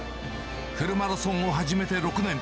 フルマラソンを始めて６年。